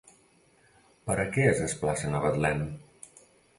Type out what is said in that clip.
Per a què es desplacen a Betlem?